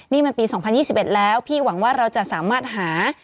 นี่มันปี๒๐๒๑แล้วพี่หวังว่าเราจะสามารถหา